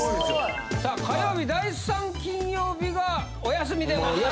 さあ火曜日・第３金曜日がお休みでございます。